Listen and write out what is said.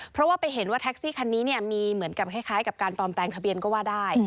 เพราะว่าไปเห็นว่าแท็กซี่คันนี้มีเหมือนกับคล้ายกับการปลอมแปลงทะเบียนก็ว่าได้